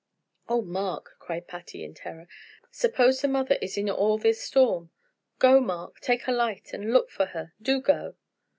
"Oh, Mark!" cried Patty, in terror, "suppose the mother is in all this storm? Go, Mark take a light and look for her. Do go!"